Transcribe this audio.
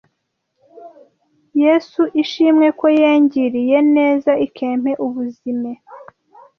Yesu ishimwe ko yengiriye neze ikempe ubuzime